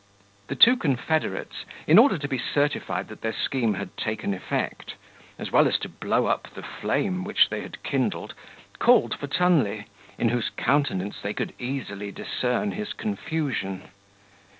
The two confederates, in order to be certified that their scheme had taken effect, as well as to blow up the flame which they had kindled, called for Tunley, in whose countenance they could easily discern his confusion.